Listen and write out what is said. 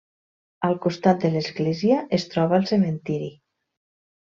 Al costat de l'església es troba el cementiri.